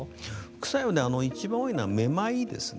副作用でいちばん多いのはめまいですね。